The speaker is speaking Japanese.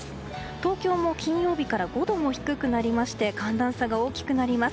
東京も金曜日から５度も低くなりまして寒暖差が大きくなります。